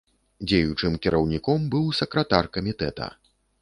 Дзеючым кіраўніком быў сакратар камітэта.